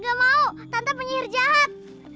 gak mau tanpa penyihir jahat